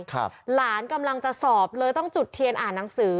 หลานกำลังจะสอบเลยต้องจุดเทียนอ่านหนังสือ